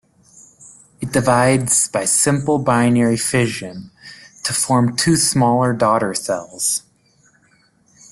It divides by simple binary fission to form two smaller daughter cells.